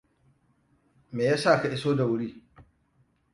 Me ya sa ka iso da wuri?